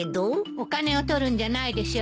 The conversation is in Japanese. お金を取るんじゃないでしょうね。